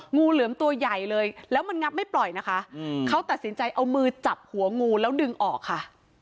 งูเหลือมตัวใหญ่เลยแล้วมันงับไม่ปล่อยนะคะเขาตัดสินใจเอามือจับหัวงูแล้วดึงออกค่ะ